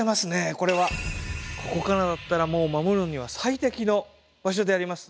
これはここからだったらもう守るには最適の場所であります。